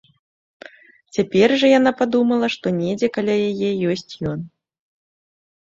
Цяпер жа яна падумала, што недзе каля яе ёсць ён.